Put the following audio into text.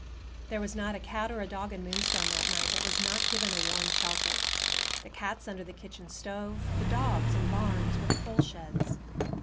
There was not a cat or a dog in Moonstone that night that was not given a warm shelter; the cats under the kitchen stove, the dogs in barns or coal sheds.